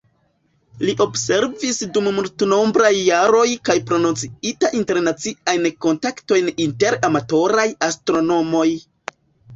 Li observis dum multenombraj jaroj kaj promociita internaciajn kontaktojn inter amatoraj astronomoj.